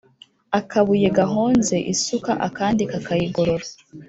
Akabuye gahonze isuka akandi kakayigorora.